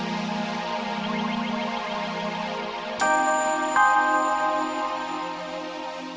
this internet drama manehkan juga besar secretary